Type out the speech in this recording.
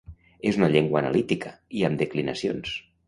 És una llengua analítica i amb declinacions.